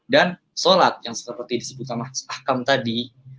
dan sholat yang seperti disebut sama sahkam tadi